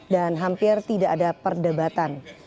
dan hampir tidak ada perdebatan